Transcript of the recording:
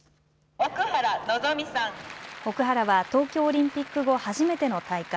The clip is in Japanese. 奥原は東京オリンピック後初めての大会。